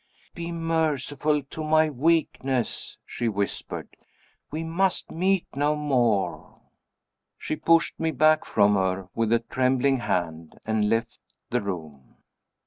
"Be merciful to my weakness," she whispered. "We must meet no more." She pushed me back from her, with a trembling hand, and left the room.